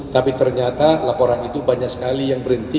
tapi ternyata laporan itu banyak sekali yang berhenti